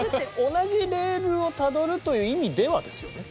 同じレールをたどるという意味ではですよね。